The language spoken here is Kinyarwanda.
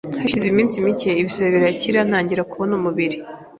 hashize iminsi mike ibisebe birakira ntangira kubona umubiri!